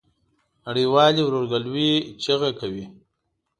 نړۍ والي ورورګلوی چیغه کوي.